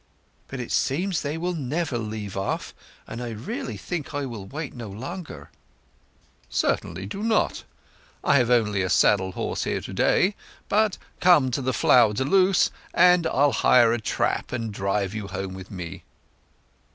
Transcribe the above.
"But it seems they will never leave off, and I really think I will wait no longer." "Certainly do not. I have only a saddle horse here to day; but come to The Flower de Luce, and I'll hire a trap, and drive you home with me."